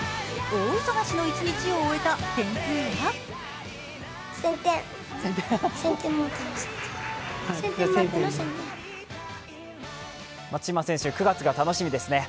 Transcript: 大忙しの一日を終えた点数は松島選手、９月が楽しみですね。